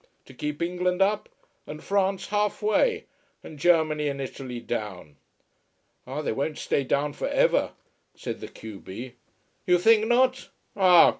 To keep England up, and France half way, and Germany and Italy down." "Ah, they won't stay down for ever," said the q b. "You think not? Ah!